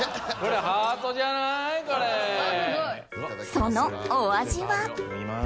そのお味は？